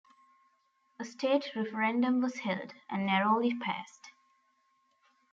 A state referendum was held, and narrowly passed.